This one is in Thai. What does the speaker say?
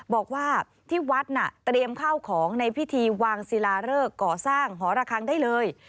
บอกว่าที่วัดน่ะเตรียมข้าวของในพิธีวางศิลาเริกก่อสร้างหอระคังได้เลย